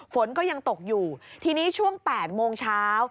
ฝนก็ยังตกอยู่ทีนี้ช่วง๘โมงเช้า